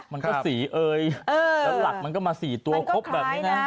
มันก็สีเอยแล้วหลักมันก็มา๔ตัวครบแบบนี้นะ